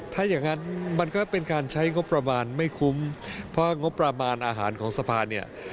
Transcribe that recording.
ถ้าอย่างนั้นมันก็เป็นการใช้งบประมาณไม่คุ้มเพราะงบประมาณอาหารของสะพานเนี่ย